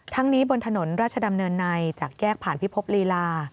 นี้บนถนนราชดำเนินในจากแยกผ่านพิภพลีลา